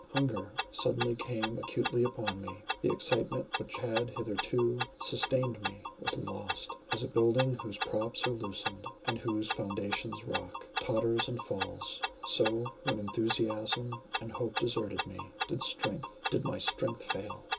Hunger suddenly came acutely upon me. The excitement which had hitherto sustained me was lost; as a building, whose props are loosened, and whose foundations rock, totters and falls, so when enthusiasm and hope deserted me, did my strength fail.